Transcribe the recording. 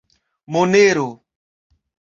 Monero.